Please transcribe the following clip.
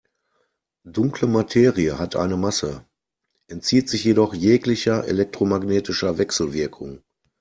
Dunkle Materie hat eine Masse, entzieht sich jedoch jeglicher elektromagnetischer Wechselwirkung.